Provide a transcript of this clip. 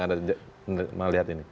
anda melihat ini